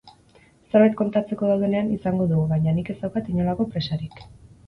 Zerbait kontatzeko dudanean, izango dugu, baina nik ez daukat inolako presarik.